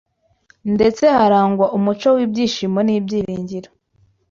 ndetse harangwa umucyo w’ibyishimo n’ibyiringiro